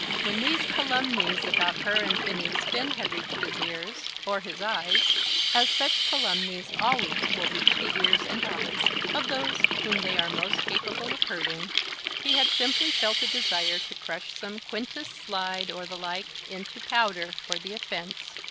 When these calumnies about her and Phineas Finn had reached his ears, or his eyes, as such calumnies always will reach the ears and eyes of those whom they are most capable of hurting, he had simply felt a desire to crush some Quintus Slide, or the like, into powder for the offence.